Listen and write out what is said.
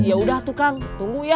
ya udah tuh kang tunggu ya